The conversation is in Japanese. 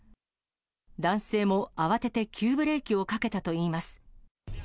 男性も慌てて急ブレーキをかけたといいます。